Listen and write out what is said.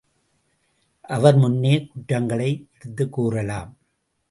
அவர் முன்னே குற்றங்களை எடுத்துக் கூறலாம்.